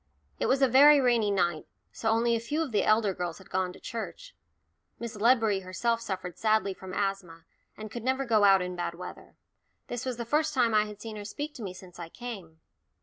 It was a very rainy night, so only a few of the elder girls had gone to church. Miss Ledbury herself suffered sadly from asthma, and could never go out in bad weather. This was the first time I had seen her to speak to since I came.